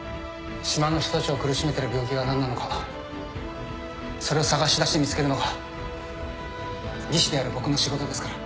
「島の人たちを苦しめてる病気が何なのかそれを探しだして見つけるのが技師である僕の仕事ですから」